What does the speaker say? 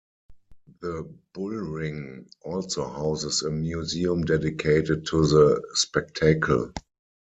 The bullring also houses a museum dedicated to the spectacle.